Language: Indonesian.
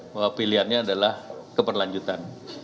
bahwa pilihannya adalah keberlanjutan